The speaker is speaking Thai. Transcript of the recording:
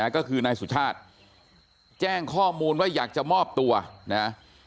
ก็คือนายสุชาติแจ้งข้อมูลว่าอยากจะมอบตัวนะ